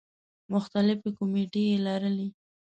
مختلفې کومیټې یې لرلې.